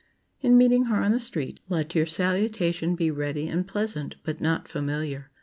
In meeting her on the street, let your salutation be ready and pleasant, but not familiar.